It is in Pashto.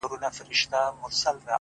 د زړگي هيله چي ستۍ له پېغلتوبه وځي!!